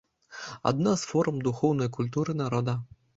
Адна з форм духоўнай культуры народа.